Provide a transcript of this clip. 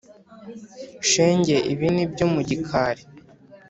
shenge ibi n’ibyo mu gikari